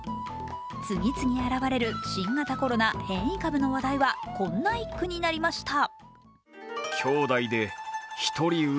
次々現れる新型コロナ変異株の話題はこんな一句になりました。